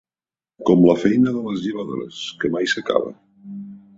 Com la feina de les llevadores, que mai s'acaba.